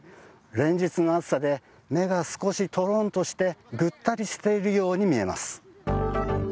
連日の暑さで目が少しトロンとしてぐったりしているように見えます。